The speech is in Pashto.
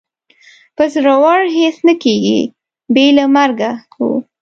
په زړورو هېڅ نه کېږي، بې له مرګه، هو.